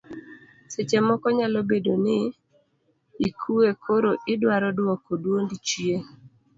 seche moko nyalo bedo ni ikwe koro idwaro duoko duondi chien